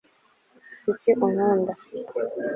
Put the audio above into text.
kuki unkunda